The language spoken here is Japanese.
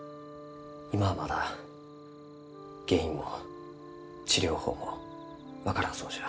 今はまだ原因も治療法も分からんそうじゃ。